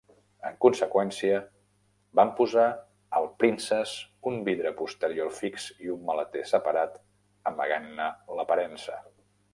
En conseqüència, van posar al Princess un vidre posterior fix i un maleter separat, amagant-ne l'aparença.